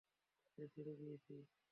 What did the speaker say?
তাদের ছেড়ে দিয়েছি।